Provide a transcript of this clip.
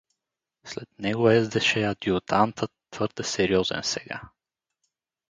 След него ездеше адютантът, твърде сериозен сега.